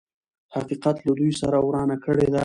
حقيقت له دوی سره ورانه کړې ده.